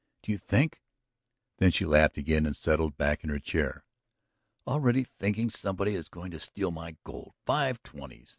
"Do you think ..." Then she laughed again and settled back in her chair. "Already thinking somebody is going to steal my gold! My five twenties.